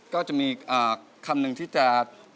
ก็จะมีคำนึงที่จะล้อม